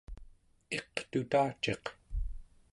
iqtutaciq